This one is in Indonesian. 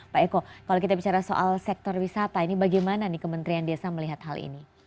pak eko kalau kita bicara soal sektor wisata ini bagaimana nih kementerian desa melihat hal ini